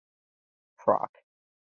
Proc.